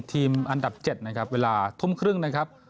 ทีมอันดับ๗นะครับเวลาทุ่มครึ่งนะครับ